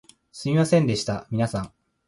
すみませんでした皆さん